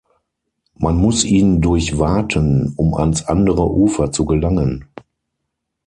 Man muss ihn durchwaten, um ans andere Ufer zu gelangen.